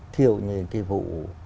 thiệu những cái vụ